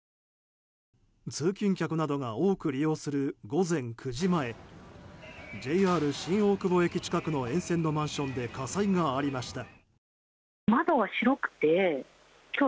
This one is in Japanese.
通勤客などが多く利用する午前９時前ＪＲ新大久保駅近くの沿線のマンションで火災がありました。